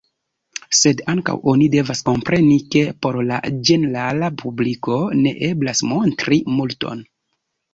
Sed ankaŭ oni devas kompreni, ke por la ĝenerala publiko ne eblas montri multon.